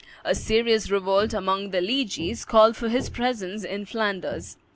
A serious revolt amongst the Liigese called for his presence in Flanders.